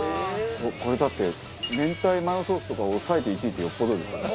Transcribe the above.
これだって明太マヨソースとかを抑えて１位ってよっぽどですからね。